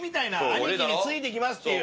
アニキについていきますっていう。